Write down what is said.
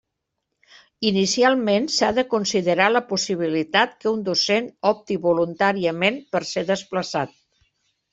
Inicialment, s'ha de considerar la possibilitat que un docent opti voluntàriament per ser desplaçat.